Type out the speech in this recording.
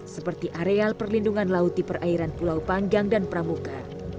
seperti areal perlindungan laut di perairan pulau panggang dan pramuka